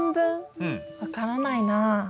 分からない？